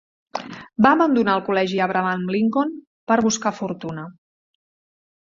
Va abandonar el col·legi Abraham Lincoln per buscar fortuna.